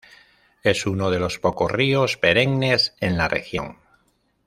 Es uno de los pocos ríos perennes en la región.